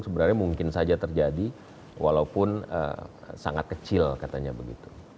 sebenarnya mungkin saja terjadi walaupun sangat kecil katanya begitu